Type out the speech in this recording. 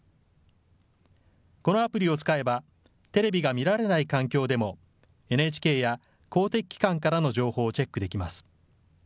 このアプリを使えば、テレビが見られない環境でも、ＮＨＫや公的機関からの情報をチェックできます。